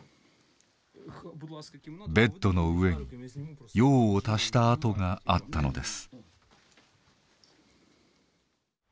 ベッドの上に用を足した跡があったのです。